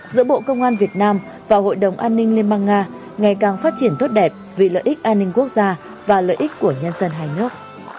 giữa bộ công an việt nam và hội đồng an ninh liên bang nga ngày càng phát triển tốt đẹp vì lợi ích an ninh quốc gia và lợi ích của nhân dân hai nước